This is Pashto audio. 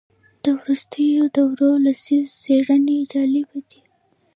د وروستیو دوو لسیزو څېړنې جالبه دي.